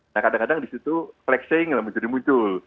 nah kadang kadang di situ flexing menjadi muncul